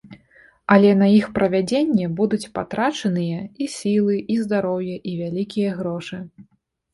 Але на іх правядзенне будуць патрачаныя і сілы, і здароўе, і вялікія грошы.